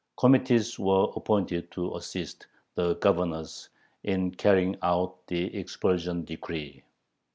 Committees were appointed to assist the governors in carrying out the expulsion decree.